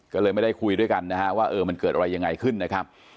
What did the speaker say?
ก็เลยไม่ได้คุยด้วยกันนะฮะว่าเออมันเกิดอะไรยังไงขึ้นนะครับ